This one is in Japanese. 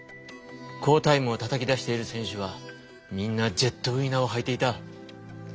好タイムをたたきだしている選手はみんなジェットウィナーをはいていた。